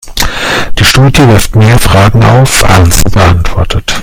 Die Studie wirft mehr Fragen auf, als sie beantwortet.